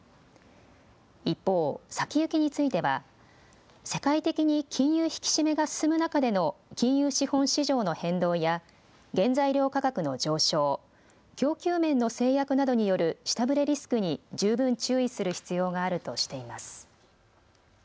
一方、先行きについては世界的に金融引き締めが進む中での金融資本市場の変動や原材料価格の上昇、供給面の制約などによる下振れリスクに十分注意する必要があるとしています。